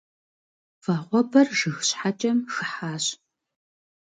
Вагъуэбэр жыг щхьэкӏэм хыхьащ.